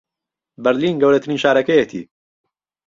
بەرلین گەورەترین شارەکەیەتی